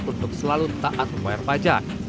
untuk selalu taat membayar pajak